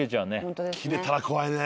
キレたら怖いね。